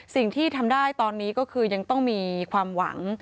สิ่งที่ทำได้ตอนนี้ก็คือยังต้องมีความหวัง